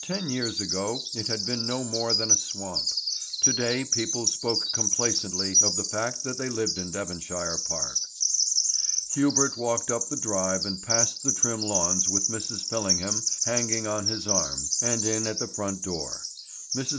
Ten years ago it had been no more than a swamp; to day people spoke complacently of the fact that they lived in Devonshire Park. Hubert walked up the drive and past the trim lawns with Mrs. Fillingham hanging on his arm, and in at the front door. Mrs.